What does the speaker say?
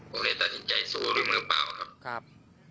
หรือตลกใจสู้ลุมรึเปล่าครับ